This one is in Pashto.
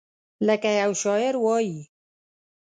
لکه یو شاعر وایي: